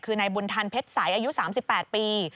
คือนายบุญทันเพชรใสอายุ๓๘ปี